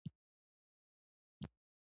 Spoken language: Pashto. د نړۍ د سترو تولیدوونکو په کتار کې دریدلي.